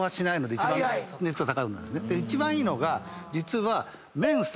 一番いいのが実は。